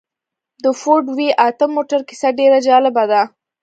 د فورډ وي اته موټر کيسه ډېره جالبه ده.